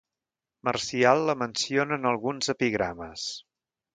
Marcial la menciona en alguns epigrames.